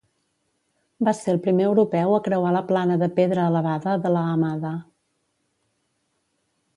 Va ser el primer europeu a creuar la plana de pedra elevada de la Hamada.